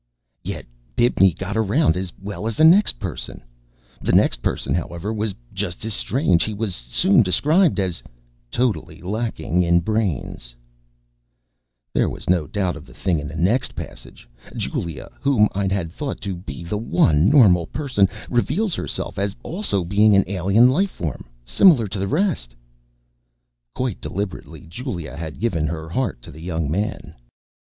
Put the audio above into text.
_ Yet Bibney got around as well as the next person. The next person, however, was just as strange. He was soon described as: ... totally lacking in brains. There was no doubt of the thing in the next passage. Julia, whom I had thought to be the one normal person, reveals herself as also being an alien life form, similar to the rest: _... quite deliberately, Julia had given her heart to the young man.